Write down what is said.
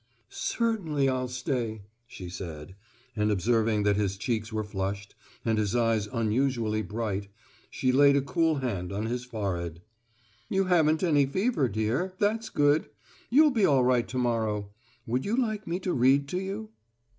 "Certainly I'll stay," she said, and, observing that his cheeks were flushed, and his eyes unusually bright, she laid a cool hand on his forehead. "You haven't any fever, dear; that's good. You'll be all right to morrow. Would you like me to read to you?"